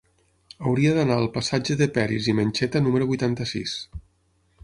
Hauria d'anar al passatge de Peris i Mencheta número vuitanta-sis.